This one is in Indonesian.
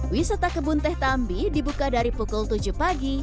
wisata kebun teh tambi dibuka dari pukul sepuluh sampai sepuluh